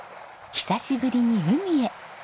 久しぶりに海へ。